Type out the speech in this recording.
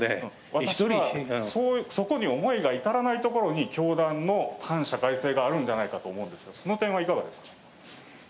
私はそこに思いに至らないところに、教団の反社会性があるのではないかと思うんですが、その点はいかがですか。